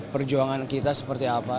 perjuangan kita seperti apa